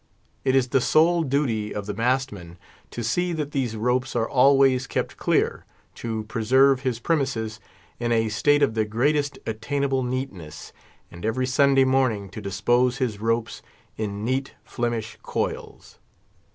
It is the sole duty of the mast man to see that these ropes are always kept clear, to preserve his premises in a state of the greatest attainable neatness, and every Sunday morning to dispose his ropes in neat Flemish coils.